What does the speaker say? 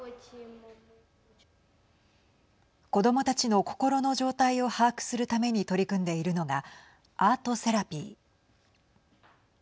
子どもたちの心の状態を把握するために取り組んでいるのがアートセラピー。